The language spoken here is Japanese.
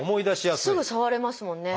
すぐ触れますもんね。